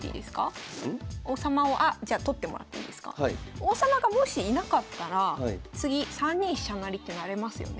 王様がもしいなかったら次３二飛車成ってなれますよね。